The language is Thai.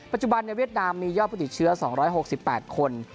ปัจจุบันในเวียดนามมียอดผู้ติดเชื้อ๒๖๘คน